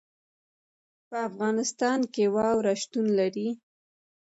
په افغانستان کې واوره شتون لري.